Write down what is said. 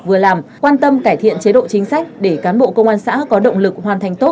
vừa làm quan tâm cải thiện chế độ chính sách để cán bộ công an xã có động lực hoàn thành tốt